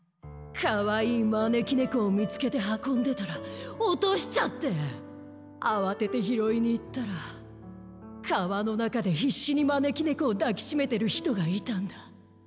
かわいいまねきねこをみつけてはこんでたらおとしちゃってあわててひろいにいったらかわのなかでひっしにまねきねこをだきしめてるひとがいたんだ。